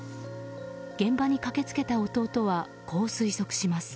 現場に駆け付けた弟はこう推測します。